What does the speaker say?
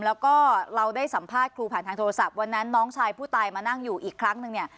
แล้วก็เราได้สัมภาษณ์ครูผ่านทางโทรศัพท์วันนั้นน้องชายผู้ตายมานั่งอยู่อีกครั้งหนึ่งเนี่ย